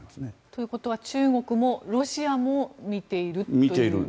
ということは中国もロシアも見ていると。